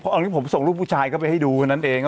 อันนี้ผมส่งรูปผู้ชายเข้าไปให้ดูเท่านั้นเอง